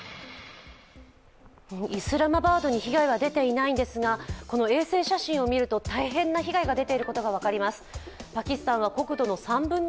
イスラマバードに被害は出ていないんですが、衛星写真を見ると大変な被害が出ていることが分かります。